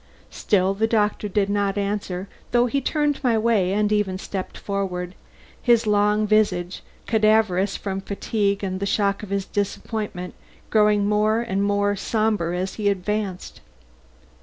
Still the doctor did not answer, though he turned my way and even stepped forward; his long visage, cadaverous from fatigue and the shock of his disappointment, growing more and more somber as he advanced.